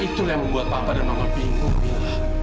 itulah yang membuat papa dan mama bingung